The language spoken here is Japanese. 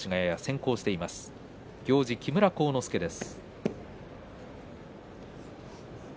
行司、木村晃之助です。